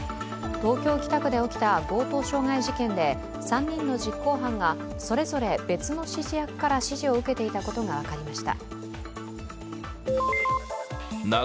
東京・北区で起きた強盗傷害事件で３人の実行犯がそれぞれ別の指示役から指示を受けていたことが分かりました。